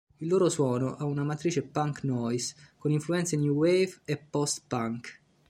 Il loro suono ha una matrice punk-noise con influenze new wave e post-punk.